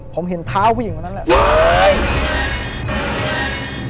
ผมเห็นเท้าผู้หญิงคนนั้นแหละ